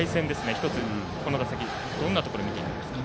１つ、この打席どんなところを見ていきますか。